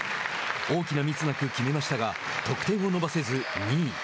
大きなミスなく決めましたが得点を伸ばせず２位。